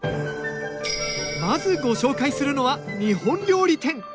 まずご紹介するのは日本料理店。